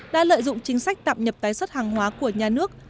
đã lợi dụng chính sách tạm nhập tái xuất hàng hóa của nhà nước